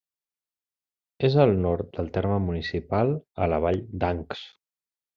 És al nord del terme municipal, a la Vall d'Ancs.